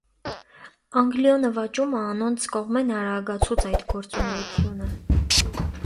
Անգլիոյ նուաճումը անոնց կողմէն արագացուց այդ գործունէութիւնը։